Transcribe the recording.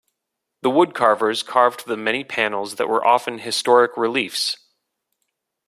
The woodcarvers carved the many panels that were often historic reliefs.